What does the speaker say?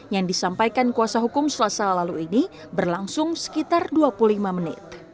yang disampaikan kuasa hukum selasa lalu ini berlangsung sekitar dua puluh lima menit